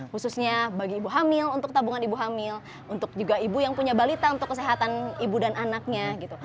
khususnya bagi ibu hamil untuk tabungan ibu hamil untuk juga ibu yang punya balita untuk kesehatan ibu dan anaknya gitu